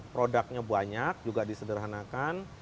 produknya banyak juga disederhanakan